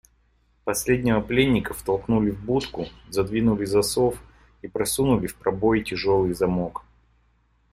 Последнего пленника втолкнули в будку, задвинули засов и просунули в пробой тяжелый замок.